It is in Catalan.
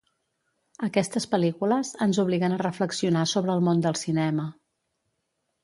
Aquestes pel·lícules ens obliguen a reflexionar sobre el món del cinema.